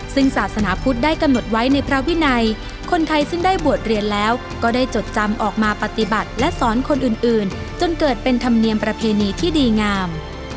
ซึ่งศาสนาพุทธได้กำหนดไว้ในพระวินัยคนไทยซึ่งได้บวชเรียนแล้วก็ได้จดจำออกมาปฏิบัติและสอนคนอื่นจนเกิดเป็นธรรมเนียมประเพณีที่ดีงาม